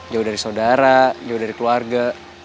jauh dari saudara jauh dari keluarga